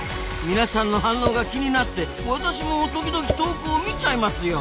皆さんの反応が気になって私も時々投稿を見ちゃいますよ。